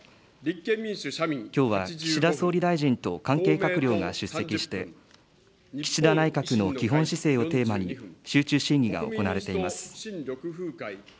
きょうは岸田総理大臣と関係閣僚が出席して、岸田内閣の基本姿勢をテーマに、集中審議が行われています。